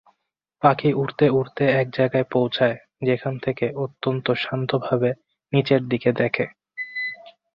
পাখী উড়তে উড়তে এক জায়গায় পৌছায়, যেখান থেকে অত্যন্ত শান্তভাবে নীচের দিকে দেখে।